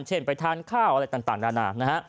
เช่นไปทานข้าวอะไรต่างด้านหน้า